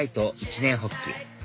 一念発起